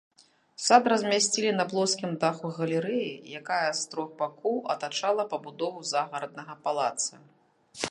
Сад размясцілі на плоскім даху галерэі, якая з трох бакоў атачала пабудову загараднага палаца.